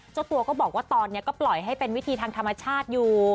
เจ้าตัวก็บอกว่าตอนนี้ก็ปล่อยให้เป็นวิธีทางธรรมชาติอยู่